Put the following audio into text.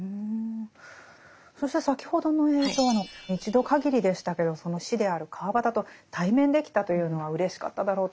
そして先ほどの映像の一度限りでしたけどその師である川端と対面できたというのはうれしかっただろうと。